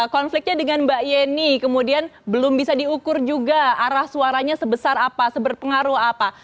konfliknya dengan mbak yeni kemudian belum bisa diukur juga arah suaranya sebesar apa seberpengaruh apa